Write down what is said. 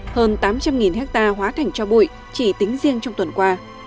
hơn tám trăm linh hectare hóa thành cho bụi chỉ tính riêng trong tuần qua